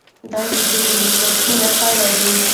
دا دود د ولسواکۍ نښې لري.